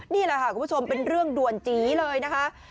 นี่แหละค่ะคุณผู้ชมเป็นเรื่องด่วนจีเลยนะคะ